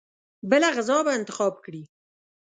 بله غذا به انتخاب کړي.